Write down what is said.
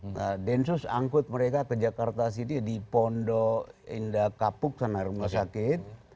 nah densus angkut mereka ke jakarta sidi di pondo indakapuk sana rumah sakit